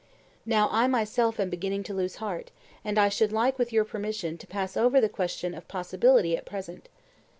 Now I myself am beginning to lose heart, and I should like, with your permission, to pass over the question of possibility at present.